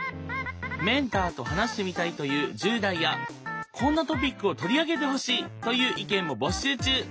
メンターと話してみたいという１０代やこんなトピックを取り上げてほしいという意見も募集中！